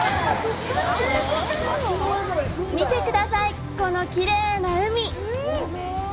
見てください、このきれいな海！